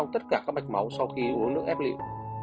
tất cả các mạch máu sau khi uống nước ép lị